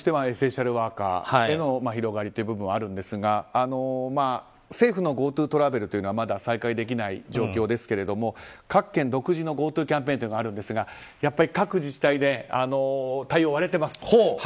エッセンシャルワーカーへの広がりという部分あるんですが政府のＧｏＴｏトラベルというのはまだ再開できない状況ですけど各県、独自にＧｏＴｏキャンペーンがあるんですがやっぱり各自治体で対応が割れています。